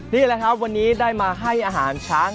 นี่แหละครับวันนี้ได้มาให้อาหารช้าง